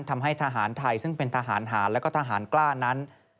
ทำให้ทหารไทยซึ่งเป็นทหารหารและก็ทหารกล้านั้น